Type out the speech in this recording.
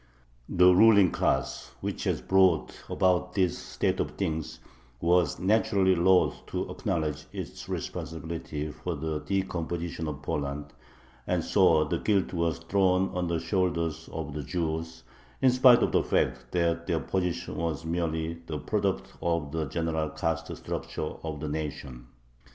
The ruling class, which had brought about this state of things, was naturally loth to acknowledge its responsibility for the decomposition of Poland, and so the guilt was thrown on the shoulders of the Jews, in spite of the fact that their position was merely the product of the general caste structure of the nation.